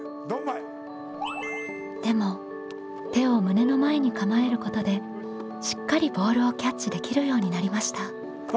でも手を胸の前に構えることでしっかりボールをキャッチできるようになりました。